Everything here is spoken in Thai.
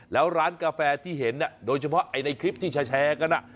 แล้วร้านกาแฟที่เห็นโดยเฉพาะในคลิปที่แชร์กัน